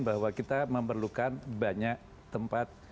bahwa kita memerlukan banyak tempat